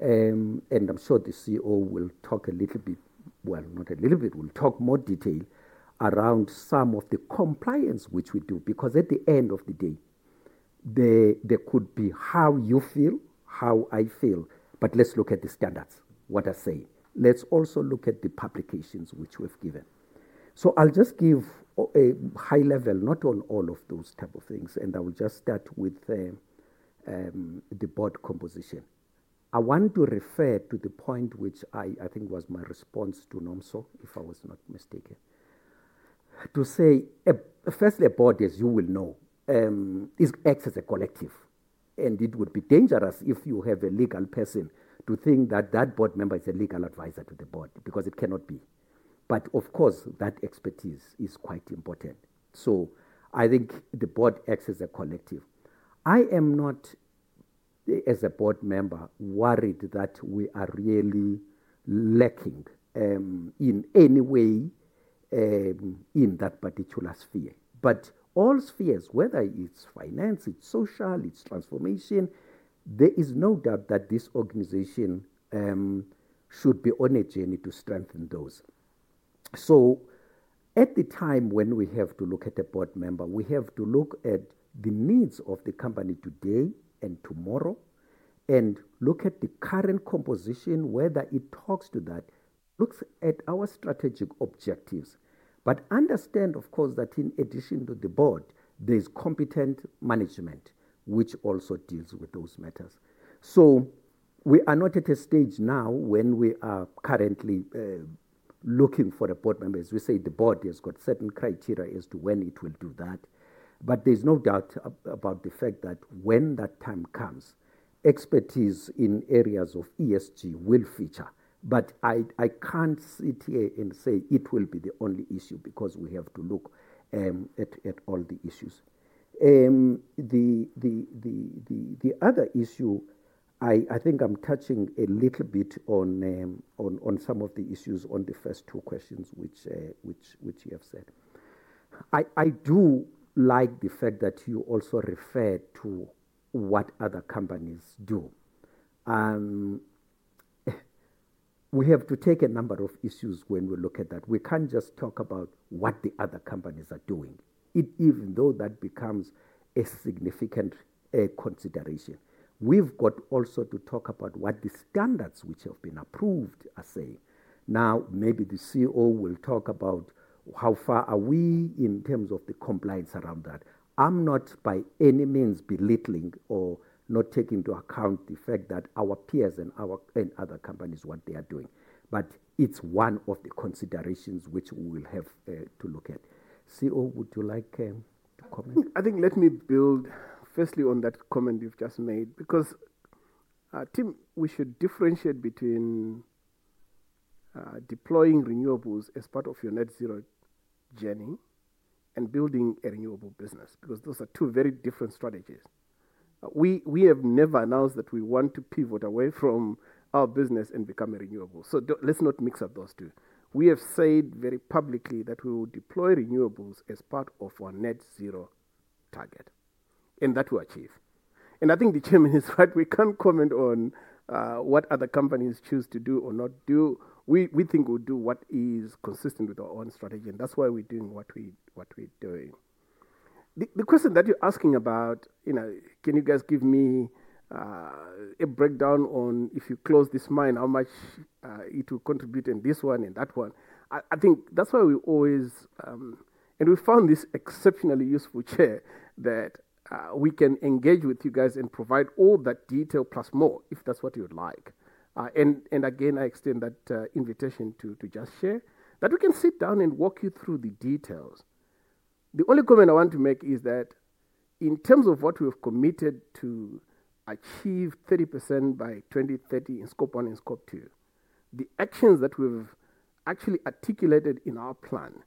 I am sure the CEO will talk a little bit—well, not a little bit—will talk more detail around some of the compliance which we do because at the end of the day, there could be how you feel, how I feel, but let's look at the standards, what I say. Let's also look at the publications which we have given. I'll just give a high level, not on all of those type of things, and I will just start with the board composition. I want to refer to the point which I think was my response to Nomsa, if I was not mistaken, to say, firstly, a board is, you will know, acts as a collective. It would be dangerous if you have a legal person to think that that board member is a legal advisor to the board because it cannot be. Of course, that expertise is quite important. I think the board acts as a collective. I am not, as a board member, worried that we are really lacking in any way in that particular sphere. All spheres, whether it's finance, it's social, it's transformation, there is no doubt that this organization should be on a journey to strengthen those. At the time when we have to look at a board member, we have to look at the needs of the company today and tomorrow and look at the current composition, whether it talks to that, looks at our strategic objectives. Understand, of course, that in addition to the board, there is competent management which also deals with those matters. We are not at a stage now when we are currently looking for a board member. As we say, the board has got certain criteria as to when it will do that. There is no doubt about the fact that when that time comes, expertise in areas of ESG will feature. I cannot sit here and say it will be the only issue because we have to look at all the issues. The other issue, I think I'm touching a little bit on some of the issues on the first two questions which you have said. I do like the fact that you also refer to what other companies do. We have to take a number of issues when we look at that. We can't just talk about what the other companies are doing, even though that becomes a significant consideration. We've got also to talk about what the standards which have been approved are saying. Now, maybe the CEO will talk about how far are we in terms of the compliance around that. I'm not by any means belittling or not taking into account the fact that our peers and other companies, what they are doing. But it's one of the considerations which we will have to look at. CEO, would you like to comment? I think let me build, firstly, on that comment you've just made because, Tim, we should differentiate between deploying renewables as part of your net zero journey and building a renewable business because those are two very different strategies. We have never announced that we want to pivot away from our business and become a renewable. Let's not mix up those two. We have said very publicly that we will deploy renewables as part of our net zero target and that we achieve. I think the Chairman is right. We can't comment on what other companies choose to do or not do. We think we'll do what is consistent with our own strategy, and that's why we're doing what we're doing. The question that you're asking about, can you guys give me a breakdown on if you close this mine, how much it will contribute in this one and that one? I think that's why we always—and we found this exceptionally useful, Chair—that we can engage with you guys and provide all that detail plus more if that's what you'd like. I extend that invitation to Just Share that we can sit down and walk you through the details. The only comment I want to make is that in terms of what we've committed to achieve 30% by 2030 in scope one and scope two, the actions that we've actually articulated in our plan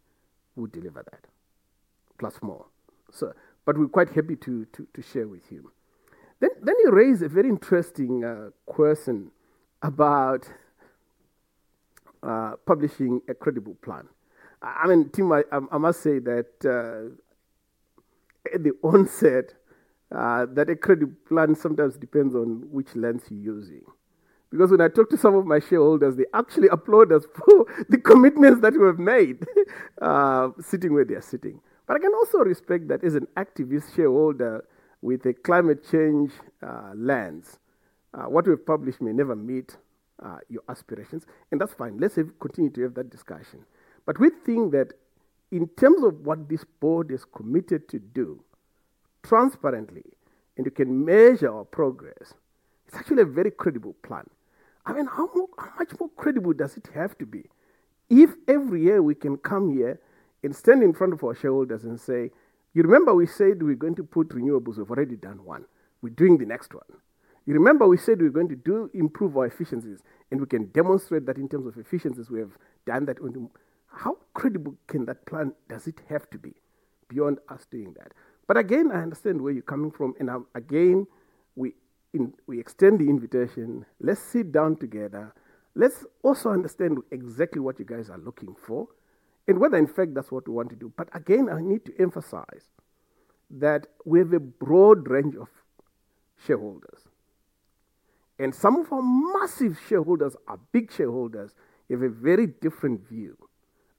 will deliver that plus more. We're quite happy to share with you. You raise a very interesting question about publishing a credible plan. I mean, Tim, I must say that at the onset, that a credible plan sometimes depends on which lens you're using. Because when I talk to some of my shareholders, they actually applaud us for the commitments that we've made sitting where they're sitting. I can also respect that as an activist shareholder with a climate change lens, what we've published may never meet your aspirations. That's fine. Let's continue to have that discussion. We think that in terms of what this board is committed to do transparently and you can measure our progress, it's actually a very credible plan. I mean, how much more credible does it have to be if every year we can come here and stand in front of our shareholders and say, "You remember we said we're going to put renewables? We've already done one. We're doing the next one. You remember we said we're going to improve our efficiencies, and we can demonstrate that in terms of efficiencies. We have done that. How credible can that plan does it have to be beyond us doing that? I understand where you're coming from. Again, we extend the invitation. Let's sit down together. Let's also understand exactly what you guys are looking for and whether, in fact, that's what we want to do. I need to emphasize that we have a broad range of shareholders. Some of our massive shareholders, our big shareholders, have a very different view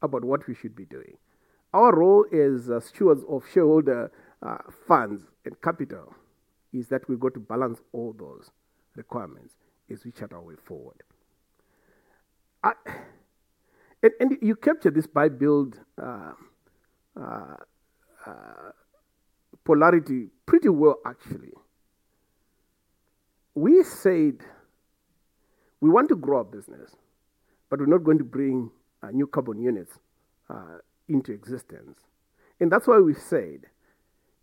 about what we should be doing. Our role as stewards of shareholder funds and capital is that we've got to balance all those requirements as we chart our way forward. You capture this by Build Polarity pretty well, actually. We said we want to grow our business, but we're not going to bring new carbon units into existence. That is why we said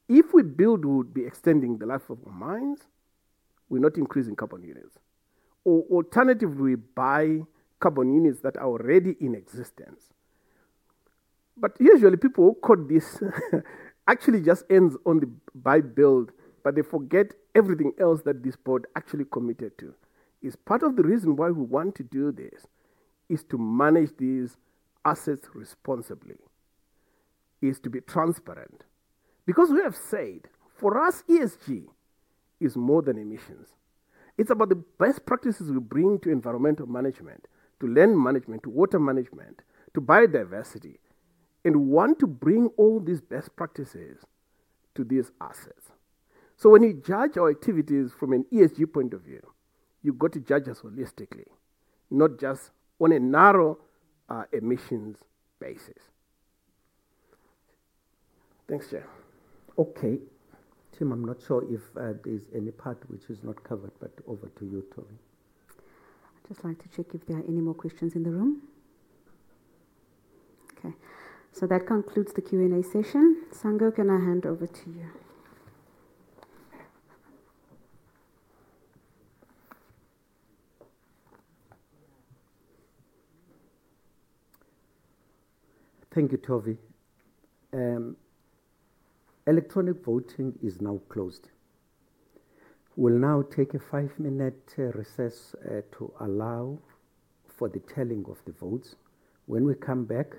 if we build, we'll be extending the life of our mines. We're not increasing carbon units. Alternatively, we buy carbon units that are already in existence. Usually, people call this actually just ends on the by Build, but they forget everything else that this board actually committed to. Part of the reason why we want to do this is to manage these assets responsibly, to be transparent. We have said for us, ESG is more than emissions. It's about the best practices we bring to environmental management, to land management, to water management, to biodiversity, and we want to bring all these best practices to these assets. So when you judge our activities from an ESG point of view, you've got to judge us holistically, not just on a narrow emissions basis. Thanks, Chair. Okay. Tim, I'm not sure if there's any part which is not covered, but over to you, Toby. I'd just like to check if there are any more questions in the room. Okay. That concludes the Q&A session. Sango, can I hand over to you? Thank you, Toby. Electronic voting is now closed. We'll now take a five-minute recess to allow for the tallying of the votes. When we come back,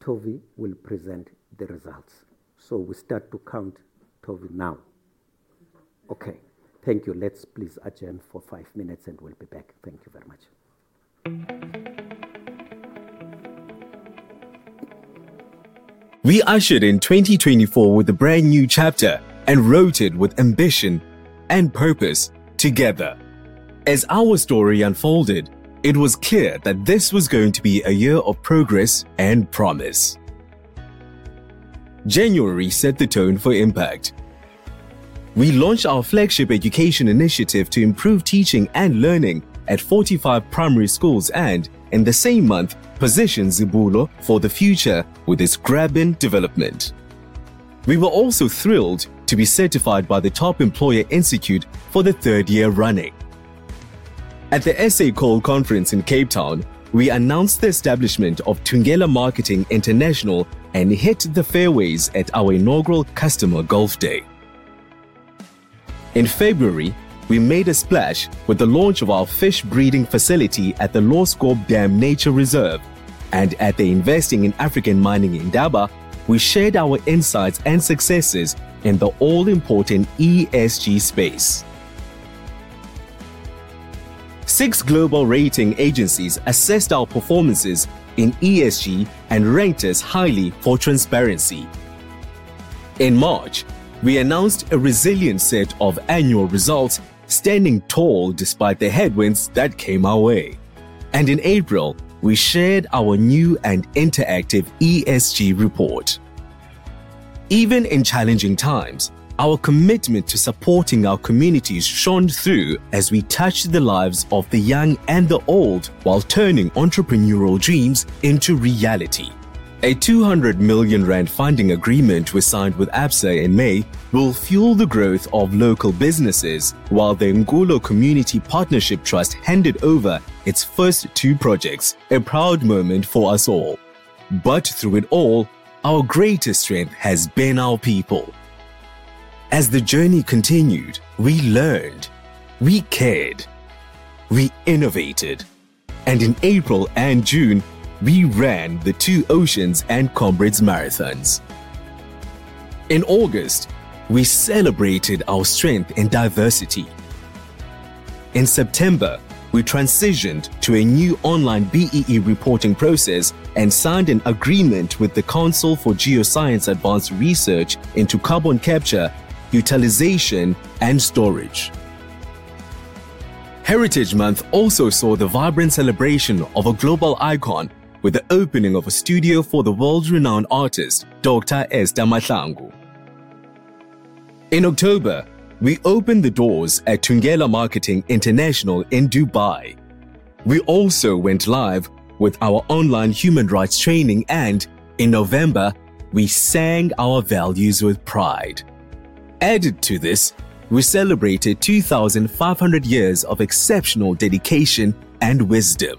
Toby will present the results. We start to count Toby now. Okay. Thank you. Let's please adjourn for five minutes, and we'll be back. Thank you very much. We ushered in 2024 with a brand new chapter and wrote it with ambition and purpose together. As our story unfolded, it was clear that this was going to be a year of progress and promise. January set the tone for impact. We launched our flagship education initiative to improve teaching and learning at 45 primary schools and, in the same month, positioned Zibulo for the future with its groundbreaking development. We were also thrilled to be certified by the Top Employer Institute for the third year running. At the SA Call Conference in Cape Town, we announced the establishment of Thungela Marketing International and hit the fairways at our inaugural Customer Golf Day. In February, we made a splash with the launch of our fish breeding facility at the Loskop Dam Nature Reserve, and at the Investing in African Mining Indaba, we shared our insights and successes in the all-important ESG space. Six global rating agencies assessed our performances in ESG and ranked us highly for transparency. In March, we announced a resilient set of annual results standing tall despite the headwinds that came our way. In April, we shared our new and interactive ESG report. Even in challenging times, our commitment to supporting our communities shone through as we touched the lives of the young and the old while turning entrepreneurial dreams into reality. A 200 million rand funding agreement we signed with ABSA in May will fuel the growth of local businesses while the Ngolo Community Partnership Trust handed over its first two projects, a proud moment for us all. Through it all, our greatest strength has been our people. As the journey continued, we learned, we cared, we innovated, and in April and June, we ran the Two Oceans and Comrades marathons. In August, we celebrated our strength in diversity. In September, we transitioned to a new online BEE reporting process and signed an agreement with the Council for Geoscience Advanced Research into carbon capture, utilization, and storage. Heritage Month also saw the vibrant celebration of a global icon with the opening of a studio for the world-renowned artist, Dr. Esther Mahlangu. In October, we opened the doors at Thungela Marketing International in Dubai. We also went live with our online human rights training, and in November, we sang our values with pride. Added to this, we celebrated 2,500 years of exceptional dedication and wisdom.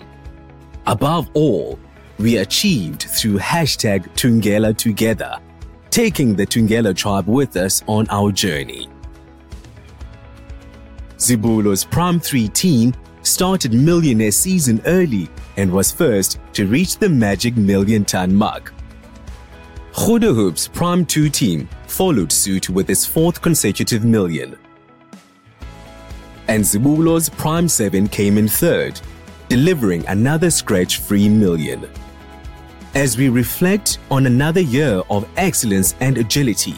Above all, we achieved through #ThungelaTogether, taking the Thungela tribe with us on our journey. Zibulo's Prime 3 team started Millionaire season early and was first to reach the magic million-ton mark. Khwezela's Prime 2 team followed suit with its fourth consecutive million. Zibulo's Prime 7 came in third, delivering another scratch-free million. As we reflect on another year of excellence and agility,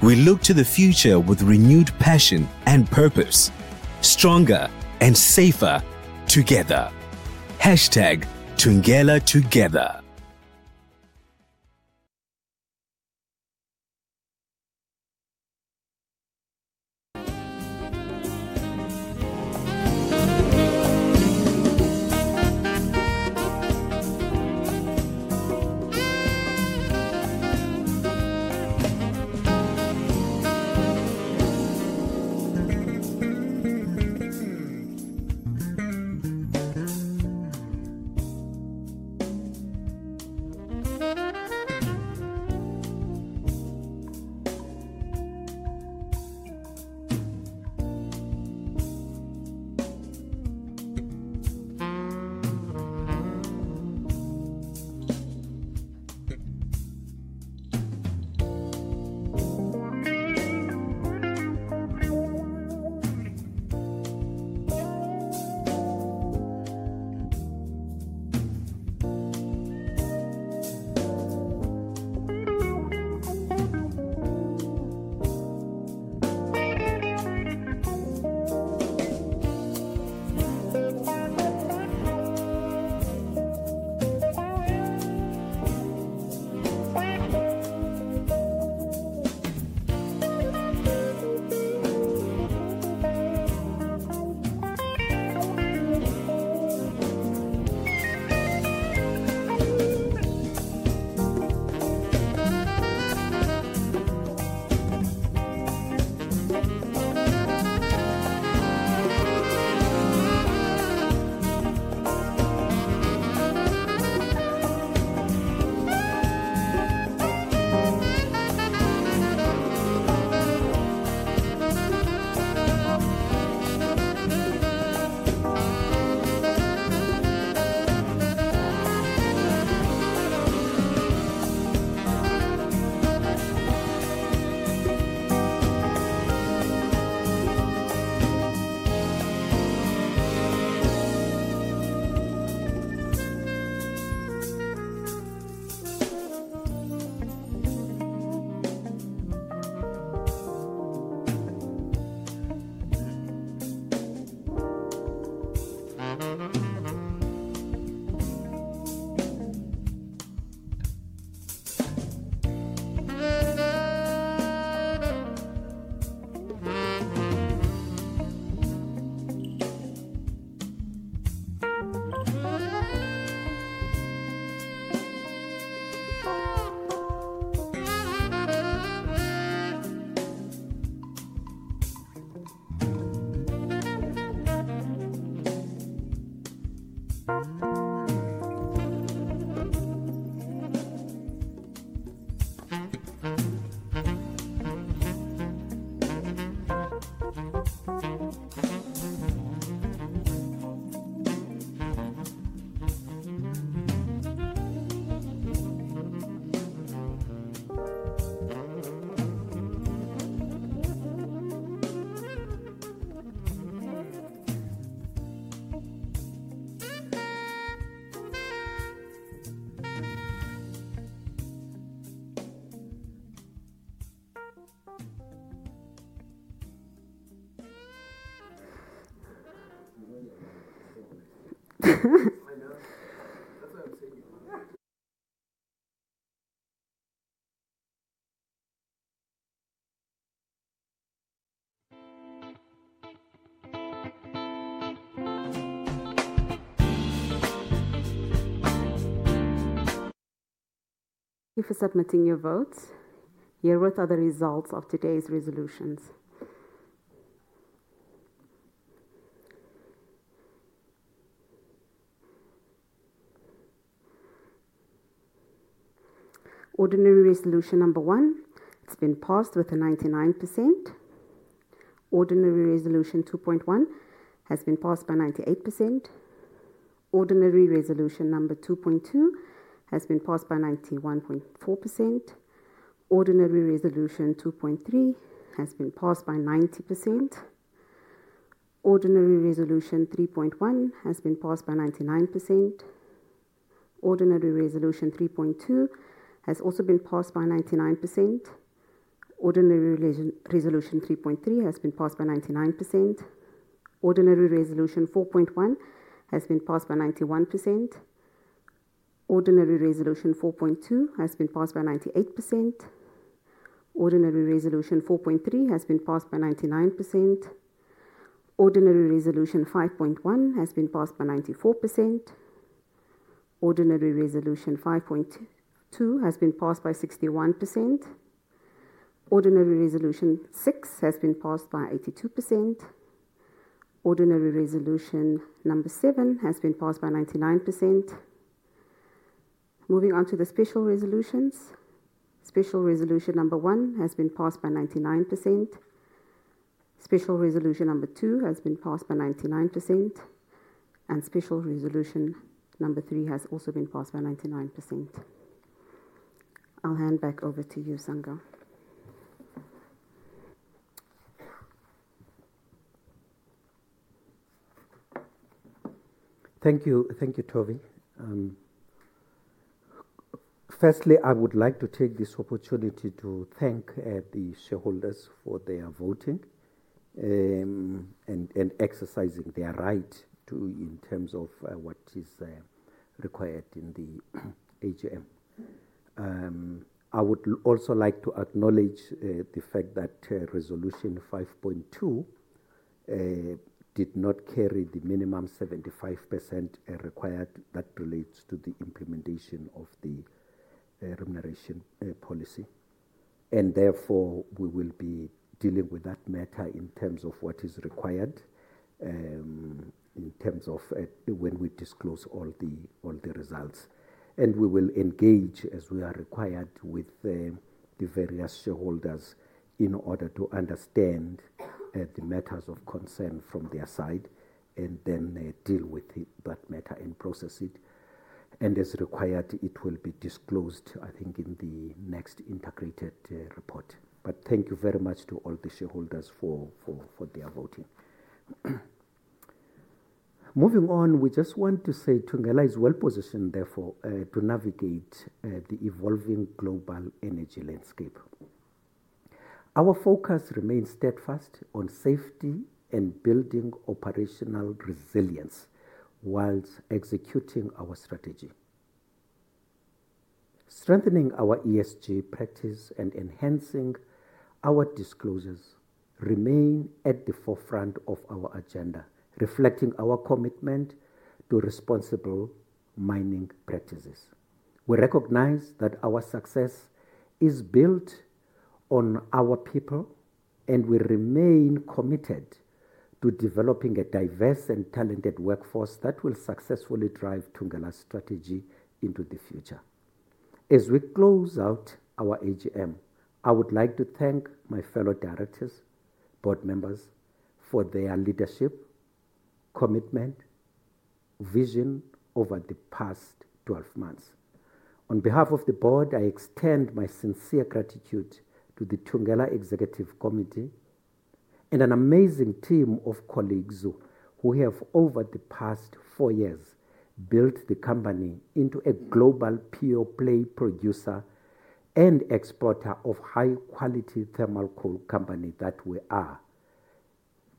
we look to the future with renewed passion and purpose, stronger and safer together. #ThungelaTogether. You've submitted your votes. Here are the results of today's resolutions. Ordinary Resolution Number 1, it's been passed with 99%. Ordinary Resolution 2.1 has been passed by 98%. Ordinary Resolution Number 2.2 has been passed by 91.4%. Ordinary Resolution 2.3 has been passed by 90%. Ordinary Resolution 3.1 has been passed by 99%. Ordinary Resolution 3.2 has also been passed by 99%. Ordinary Resolution 3.3 has been passed by 99%. Ordinary Resolution 4.1 has been passed by 91%. Ordinary Resolution 4.2 has been passed by 98%. Ordinary Resolution 4.3 has been passed by 99%. Ordinary Resolution 5.1 has been passed by 94%. Ordinary Resolution 5.2 has been passed by 61%. Ordinary Resolution 6 has been passed by 82%. Ordinary Resolution Number 7 has been passed by 99%. Moving on to the Special Resolutions. Special Resolution Number 1 has been passed by 99%. Special Resolution Number 2 has been passed by 99%. Special Resolution Number 3 has also been passed by 99%. I'll hand back over to you, Sango. Thank you, Toby. Firstly, I would like to take this opportunity to thank the shareholders for their voting and exercising their right in terms of what is required in the AGM. I would also like to acknowledge the fact that Resolution 5.2 did not carry the minimum 75% required that relates to the implementation of the remuneration policy. Therefore, we will be dealing with that matter in terms of what is required in terms of when we disclose all the results. We will engage, as we are required, with the various shareholders in order to understand the matters of concern from their side and then deal with that matter and process it. As required, it will be disclosed, I think, in the next integrated report. Thank you very much to all the shareholders for their voting. Moving on, we just want to say Thungela is well positioned, therefore, to navigate the evolving global energy landscape. Our focus remains steadfast on safety and building operational resilience whilst executing our strategy. Strengthening our ESG practice and enhancing our disclosures remain at the forefront of our agenda, reflecting our commitment to responsible mining practices. We recognize that our success is built on our people, and we remain committed to developing a diverse and talented workforce that will successfully drive Thungela's strategy into the future. As we close out our AGM, I would like to thank my fellow directors, board members, for their leadership, commitment, vision over the past 12 months. On behalf of the board, I extend my sincere gratitude to the Thungela Executive Committee and an amazing team of colleagues who have, over the past four years, built the company into a global pure-play producer and exporter of high-quality thermal coal company that we are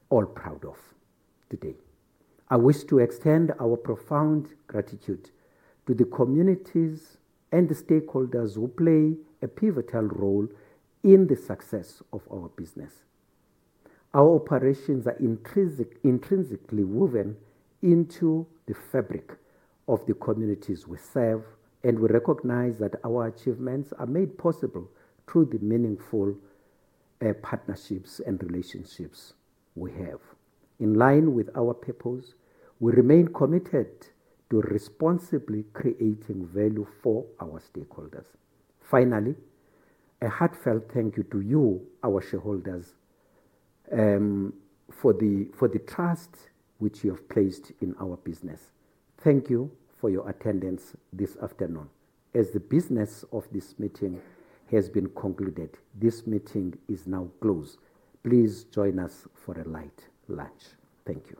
all proud of today. I wish to extend our profound gratitude to the communities and the stakeholders who play a pivotal role in the success of our business. Our operations are intrinsically woven into the fabric of the communities we serve, and we recognize that our achievements are made possible through the meaningful partnerships and relationships we have. In line with our purpose, we remain committed to responsibly creating value for our stakeholders. Finally, a heartfelt thank you to you, our shareholders, for the trust which you have placed in our business. Thank you for your attendance this afternoon. As the business of this meeting has been concluded, this meeting is now closed. Please join us for a light lunch. Thank you.